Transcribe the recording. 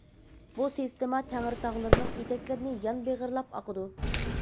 بۇ سىستېما تەڭرىتاغلىرىنىڭ ئېتەكلىرىنى يان بېغىرلاپ ئاقىدۇ.